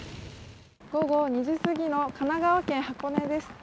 午後２時過ぎの神奈川県箱根です